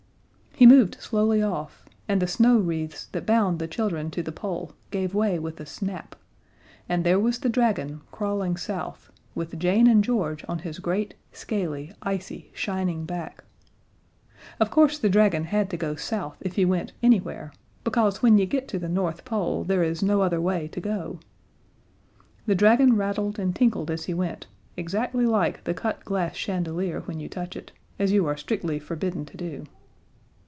He moved slowly off, and the snow wreaths that bound the children to the Pole gave way with a snap, and there was the dragon, crawling south with Jane and George on his great, scaly, icy shining back. Of course the dragon had to go south if he went anywhere, because when you get to the North Pole there is no other way to go. The dragon rattled and tinkled as he went, exactly like the cut glass chandelier when you touch it, as you are strictly forbidden to do.